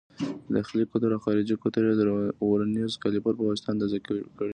داخلي قطر او خارجي قطر یې د ورنیز کالیپر په واسطه اندازه کړئ.